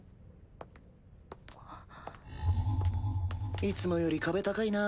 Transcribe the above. いつもより壁高いなぁ。